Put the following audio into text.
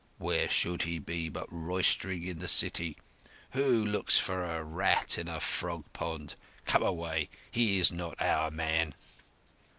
"Where should he be but roystering in the city. Who looks for a rat in a frog pond? Come away. He is not our man."